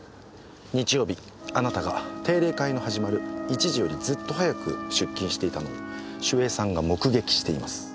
日曜日あなたが定例会の始まる１時よりずっと早く出勤していたのを守衛さんが目撃しています。